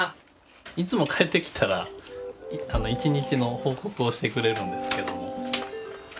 いつも帰ってきたら一日の報告をしてくれるんですけども。